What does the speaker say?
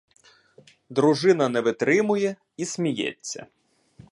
Дружина не витримує і сміється.